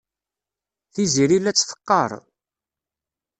Tiziri la tt-teqqar.